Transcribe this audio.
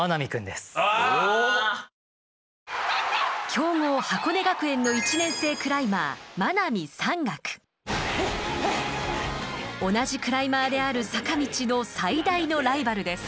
強豪箱根学園の１年生クライマー同じクライマーである坂道の最大のライバルです。